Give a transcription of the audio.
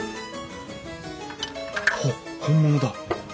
ほ本物だ。